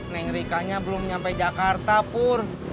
neng rika nya belum nyampe jakarta pur